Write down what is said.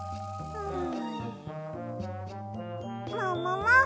うん。